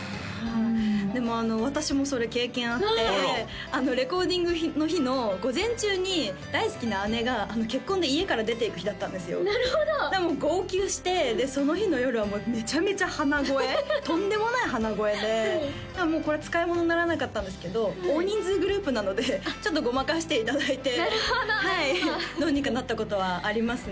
でも私もそれ経験あってレコーディングの日の午前中に大好きな姉が結婚で家から出ていく日だったんですよでも号泣してその日の夜はめちゃめちゃ鼻声とんでもない鼻声で使い物にならなかったんですけど大人数グループなのでちょっとごまかしていただいてはいどうにかなったことはありますね